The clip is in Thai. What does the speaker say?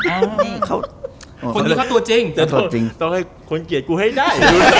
คนนี้เขาตัวจริงเขาต้องให้คนเกียรติกูให้ได้